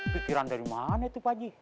pikiran dari mana itu pak haji